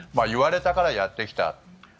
言われたからやってきた。